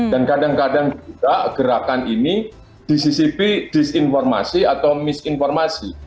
dan kadang kadang juga gerakan ini disisipi disinformasi atau misinformasi